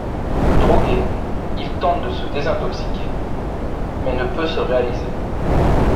Drogué, il tente de se désintoxiquer, mais ne peut se réaliser.